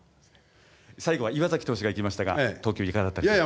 最後は岩崎投手が行きましたが投球、いかがだったでしょうか？